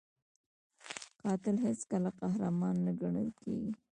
قاتل هیڅکله قهرمان نه ګڼل کېږي